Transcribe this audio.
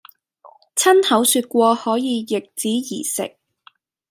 親口説過可以「易子而食」；